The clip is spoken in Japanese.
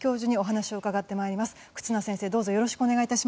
どうぞよろしくお願い致します。